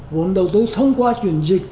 vốn đầu tư xông qua chuyển dịch